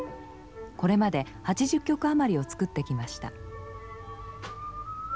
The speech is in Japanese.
これまで８０曲余りを作ってきました。